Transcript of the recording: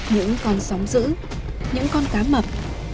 những con sóng dữ những con cá mập